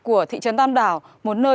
của thị trấn tam đảo một nơi